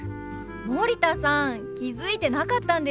森田さん気付いてなかったんですか？